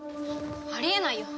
あり得ないよ！